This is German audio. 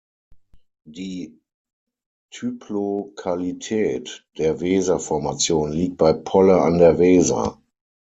Die Typlokalität der Weser-Formation liegt bei Polle an der Weser.